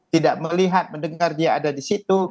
tidak melihat mendengar dia ada di situ